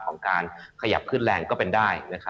ของการขยับขึ้นแรงก็เป็นได้